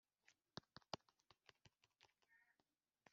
amashami ahandi hose mu Gihugu